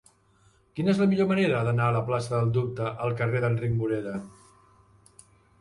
Quina és la millor manera d'anar de la plaça del Dubte al carrer d'Enric Morera?